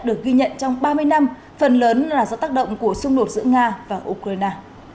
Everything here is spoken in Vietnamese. được ghi nhận trong ba mươi năm phần lớn là do tác động của xung đột giữa nga và ukraine